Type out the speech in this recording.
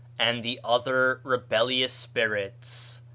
and the other rebellious spirits.